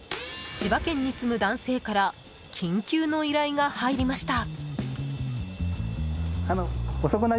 千葉県に住む男性から緊急の依頼が入りました。